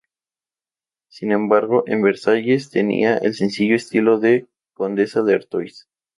Sin embargo, en Versalles, tenía el sencillo estilo de "Condesa de Artois".